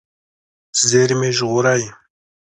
زېرمې ژغورئ.